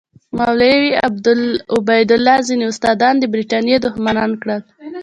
مولوي عبیدالله ځینې استادان د برټانیې دښمنان کړل.